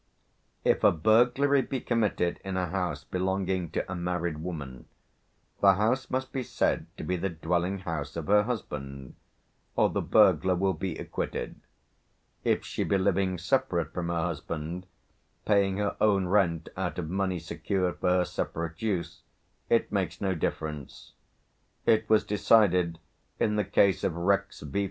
If a burglary be committed in a house belonging to a married woman, the house must be said to be the dwelling house of her husband, or the burglar will be acquitted; if she be living separate from her husband, paying her own rent out of money secured for her separate use, it makes no difference; it was decided, in the case of Rex v.